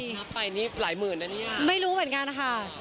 นับไปนี่หลายหมื่นอันนี้ค่ะไม่รู้เหมือนกันค่ะ